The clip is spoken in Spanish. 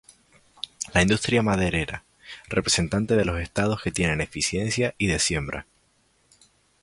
La industria maderera, representante de los Estados que tienen eficiencia y de siembra.